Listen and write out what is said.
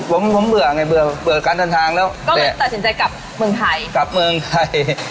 ผมผมเบื่อไงเบื่อเบื่อการเดินทางแล้วก็ตัดสินใจกลับเมืองไทยกลับเมืองไทย